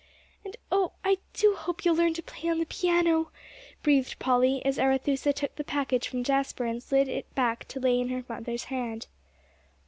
"And, oh, I do hope you'll learn to play on the piano," breathed Polly, as Arethusa took the package from Jasper, and slid back to lay it in her mother's hand.